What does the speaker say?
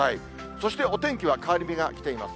そして、お天気は変わり目が来ています。